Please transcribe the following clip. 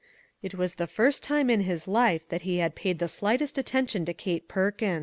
It was the first time in his life that he had paid the slightest attention to Kate Perkins.